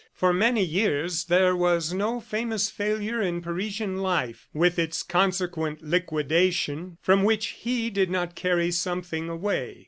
For many years, there was no famous failure in Parisian life, with its consequent liquidation, from which he did not carry something away.